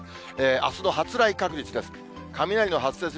あすの発雷確率です。